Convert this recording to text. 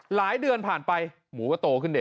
หลายเดือนผ่านไปหมูก็โตขึ้นดิ